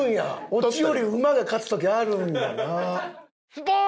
オチよりウマが勝つ時あるんやな。